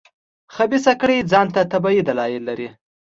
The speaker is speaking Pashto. خبیثه کړۍ ځان ته طبیعي دلایل لري.